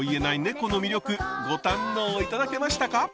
この魅力ご堪能頂けましたか？